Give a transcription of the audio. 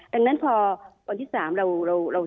ดังนั้นพอวันที่๓เราทราบเรื่องว่า